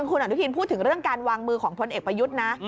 คุณอนุทินพูดถึงเรื่องการวางมือของพลเอกประยุทธ์นะ